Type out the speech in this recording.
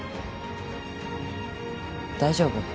大丈夫？